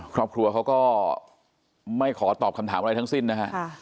ครอบครัวเขาก็ไม่ขอตอบคำถามอะไรทั้งสิ้นนะฮะ